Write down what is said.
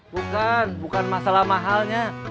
bukan bukan masalah mahalnya